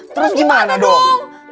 terus gimana dong